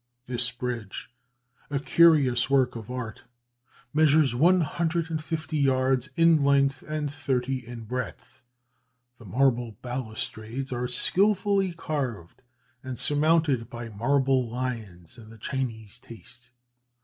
This bridge, a curious work of art, measures one hundred and fifty yards in length and thirty in breadth; the marble balustrades are skilfully carved, and surmounted by marble lions in the Chinese taste.